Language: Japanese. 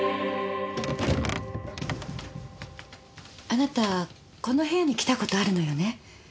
あなたこの部屋に来た事あるのよね？